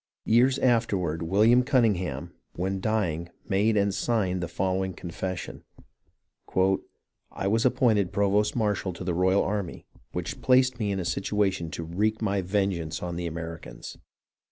" Years afterward William Cunningham, when dying, made and signed the following confession :—" I was appointed provost marshal to the Royal army, which placed me in a situation to wreak my vengeance on the Americans.